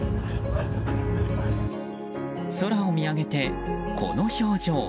空を見上げて、この表情。